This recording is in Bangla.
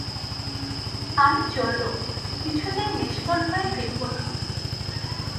আমি চললুম, কিছুতেই নিষ্ফল হয়ে ফিরব না।